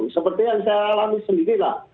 seperti yang saya alami sendiri lah